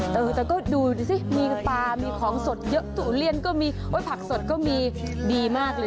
แต่ก็ดูสิมีปลามีของสดเยอะตู้เลียนก็มีไว้ผักสดก็มีดีมากเลย